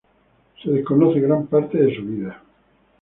Se desconoce gran parte de su vida.